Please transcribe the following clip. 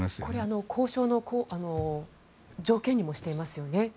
これは交渉の条件にもしていますよね。